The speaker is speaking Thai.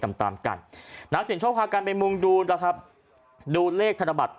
ตามกันนะสิลโชคปากกันเป็นมุมดูละครับดูเลขธราบัติ